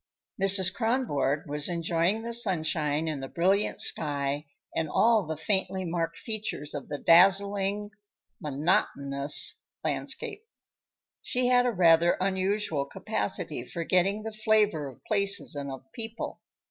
Mrs. Kronborg was enjoying the sunshine and the brilliant sky and all the faintly marked features of the dazzling, monotonous landscape. She had a rather unusual capacity for getting the flavor of places and of people.